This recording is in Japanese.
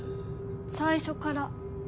最初から。